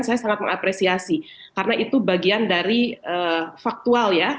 saya sangat mengapresiasi karena itu bagian dari faktual ya